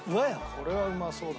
これはうまそうだな。